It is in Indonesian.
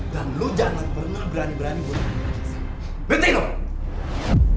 dan lo jangan pernah berani berani buat pergi dari sana